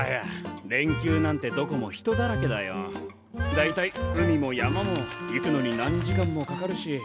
大体海も山も行くのに何時間もかかるし。